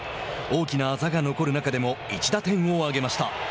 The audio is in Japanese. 大きなあざが残る中でも１打点を挙げました。